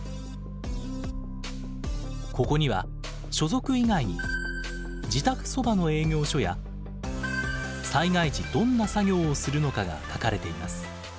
ここには所属以外に自宅そばの営業所や災害時どんな作業をするのかが書かれています。